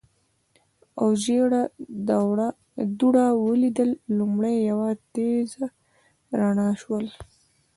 او ژېړه دوړه ولیدل، لومړی یوه تېزه رڼا شول.